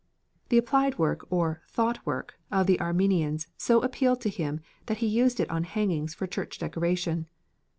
The applied work, or "thought work," of the Armenians so appealed to him that he used it on hangings for church decoration.